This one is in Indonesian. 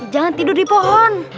jangan tidur di pohon